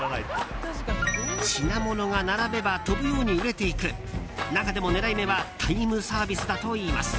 品物が並べば飛ぶように売れていく中でも狙い目はタイムサービスだといいます。